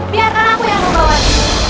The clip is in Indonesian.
biarkan aku yang membawamu